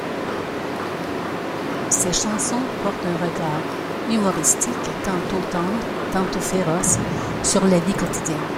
Ses chansons portent un regard humoristique, tantôt tendre tantôt féroce, sur la vie quotidienne.